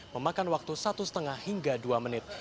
memakan waktu satu lima hingga dua menit